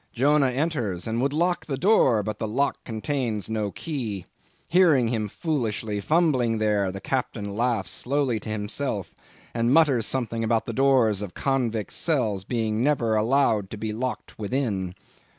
Jonah enters, and would lock the door, but the lock contains no key. Hearing him foolishly fumbling there, the Captain laughs lowly to himself, and mutters something about the doors of convicts' cells being never allowed to be locked within.